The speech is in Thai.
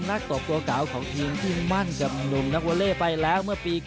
นักตบทั่วกลวะกาวของทีมชื่นมั่งกับนุมนักเวิลลี่ไปแล้ว